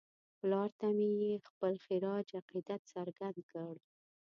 پلار ته مې یې خپل خراج عقیدت څرګند کړ.